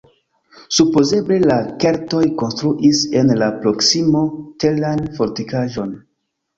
Supozeble la keltoj konstruis en la proksimo teran fortikaĵon.